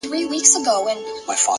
• نه پوهیږو چي په کوم ځای کي خوږمن یو ,